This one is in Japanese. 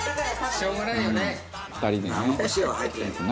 しょうがないよね。